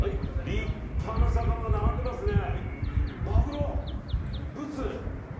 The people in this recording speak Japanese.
立派な魚が並んでますね。